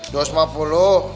dua sepuluh puluh